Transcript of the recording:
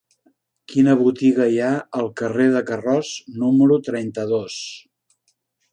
Quina botiga hi ha al carrer de Carroç número trenta-dos?